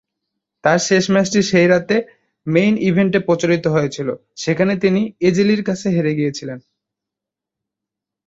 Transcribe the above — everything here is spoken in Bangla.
তার শেষ ম্যাচটি সেই রাতে "মেইন ইভেন্টে" প্রচারিত হয়েছিল, যেখানে তিনি এজে লির কাছে হেরে গিয়েছিলেন।